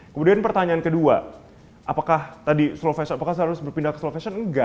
kemudian pertanyaan kedua apakah tadi slow fashion apakah harus berpindah ke slow fashion enggak